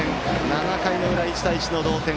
７回の裏、１対１の同点。